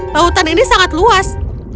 lautan ini sangat luas